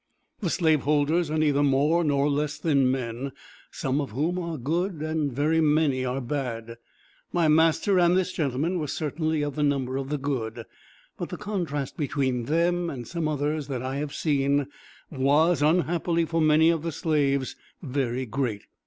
The slave holders are neither more nor less than men, some of whom are good and very many are bad. My master and this gentleman were certainly of the number of the good, but the contrast between them and some others that I have seen, was, unhappily for many of the slaves, very great.